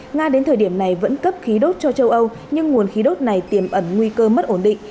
nga đến thời điểm này vẫn cấp khí đốt cho châu âu nhưng nguồn khí đốt này tiềm ẩn nguy cơ mất ổn định